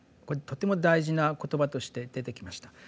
これとても大事な言葉として出てきました。